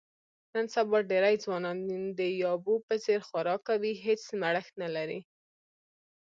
نن سبا ډېری ځوانان د یابو په څیر خوراک کوي، هېڅ مړښت نه لري.